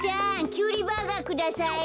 キュウリバーガーください。